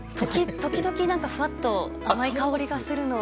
時々、ふわっと甘い香りがするのは。